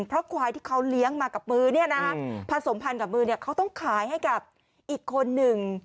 เพราะควายที่เขาเลี้ยงมากับมือผสมพันธ์กับมือเนี่ยเขาต้องขายให้กับอีกคนหนึ่ง